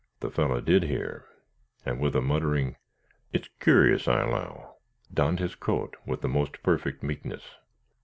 The fellow did hear, and with a muttering, "It's cu'rous, I allow," donned his coat with the most perfect meekness.